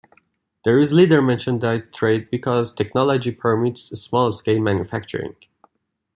There is little merchandise trade because technology permits small-scale manufacturing.